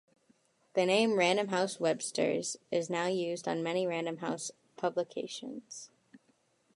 The name "Random House Webster's" is now used on many Random House publications.